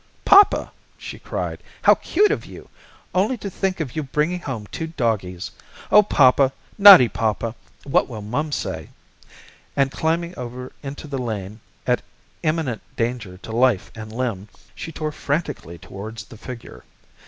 "Poppa," she cried, "how cute of you! Only to think of you bringing home two doggies! Oh, Poppa, naughty Poppa, what will mum say?" and climbing over into the lane at imminent danger to life and limb, she tore frantically towards the figure.